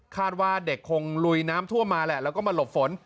คาดว่าเด็กคงลุยน้ำทั่วมาแล้วก็มาหลบฝน